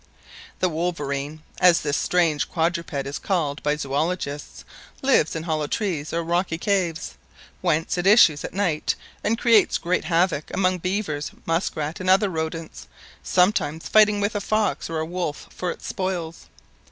The wolverene, as this strange quadruped is called by zoologists, lives in hollow trees or rocky caves, whence it issues at night and creates great havoc amongst beavers, musk rats, and other rodents, sometimes fighting with a fox or a wolf for its spoils.